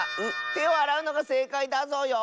てをあらうのがせいかいだぞよ。